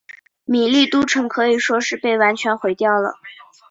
米利都城可以说是被完全毁掉了。